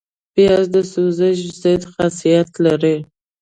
پیاز د سوزش ضد خاصیت لري